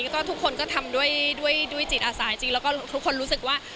แล้วทุกคนก็ทำด้วยจิตอาศาอยภาคจริงแล้วทุกคนรู้สึกว่า